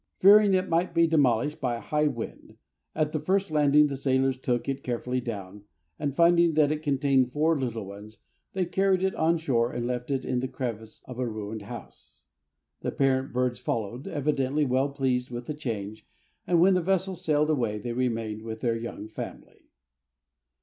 Fearing it might be demolished by a high wind, at the first landing the sailors took it carefully down, and finding that it contained four little ones, they carried it on shore and left it in the crevice of a ruined house. The parent birds followed, evidently well pleased with the change, and when the vessel sailed away they remained with their young family.